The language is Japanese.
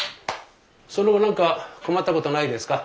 その後何か困ったことはないですか？